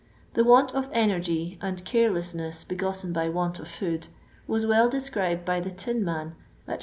The want of energy and carelessness begotten by want of food was well described by the tinman, at p.